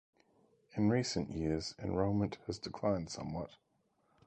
In recent years, enrollment has declined somewhat.